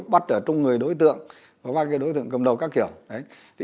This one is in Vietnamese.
bắt ở trong người đối tượng và các đối tượng cầm đầu các kiểu